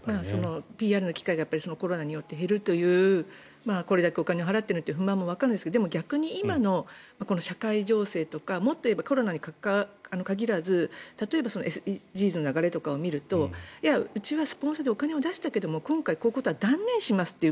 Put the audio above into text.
ＰＲの機会がコロナによって減るというこれだけお金を払っているのにという不満もわかるんですがでも逆に今の社会情勢とかもっと言えばコロナに限らず例えばＳＤＧｓの流れとかを見るとうちはスポンサーでお金出したけど今回こういうことを断念しましたという